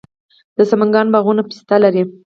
د سمنګان باغونه پسته لري.